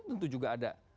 tentu juga ada